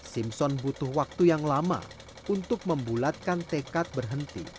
simpson butuh waktu yang lama untuk membulatkan tekad berhenti